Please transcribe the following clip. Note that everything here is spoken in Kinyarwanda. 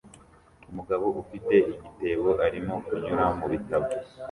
Umugabo ufite igitebo arimo kunyura mubitabo